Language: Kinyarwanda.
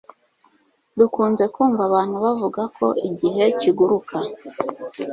Dukunze kumva abantu bavuga ko igihe kiguruka